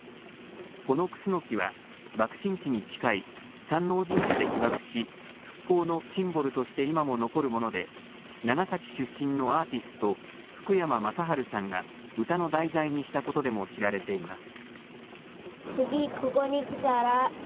このクスノキは、爆心地に近い山王神社で被爆し、復興のシンボルとして今も残るもので、長崎出身のアーティスト、福山雅治さんが、歌の題材にしたことでも知られています。